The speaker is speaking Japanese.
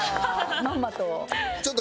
まんまと。